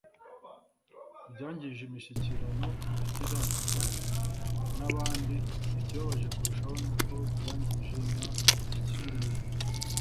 byangije imishyikirano nagiranaga n abandi Ikibabaje kurushaho ni uko byangije n imishyikirano